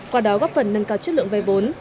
qua đó góp phần nâng cao chất lượng vay vốn